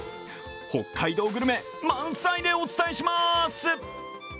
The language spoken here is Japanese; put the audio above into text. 北海道グルメ、満載でお伝えしまーす！